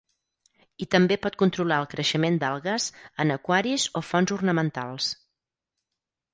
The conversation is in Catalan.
I també pot controlar el creixement d'algues en aquaris o fonts ornamentals.